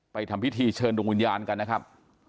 ทำพิธีเชิญดวงวิญญาณกันนะครับ